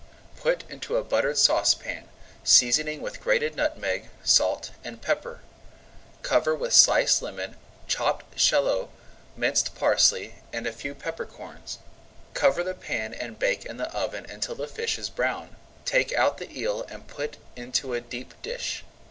Put into a buttered saucepan, seasoning with grated nutmeg, salt, and pepper. Cover with sliced lemon, chopped shallot, minced parsley, and a few pepper corns. Cover the pan and bake in the oven until the fish is brown. Take out the eel and put into a deep dish.